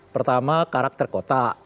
pertama karakter kota